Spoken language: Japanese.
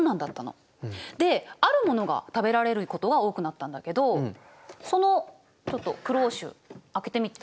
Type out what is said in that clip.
であるものが食べられることが多くなったんだけどそのちょっとクローシュ開けてみて。